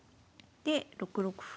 で６六歩。